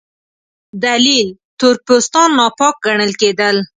دلیل: تور پوستان ناپاک ګڼل کېدل.